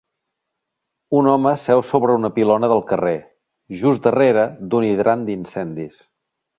Un home seu sobre una pilona del carrer, just darrere d'un hidrant d'incendis